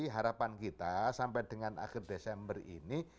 harapan kita sampai dengan akhir desember ini